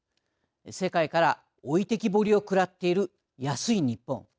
世界から置いてきぼりをくらっている安いニッポン。